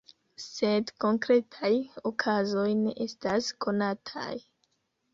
Sed konkretaj okazoj ne estas konataj.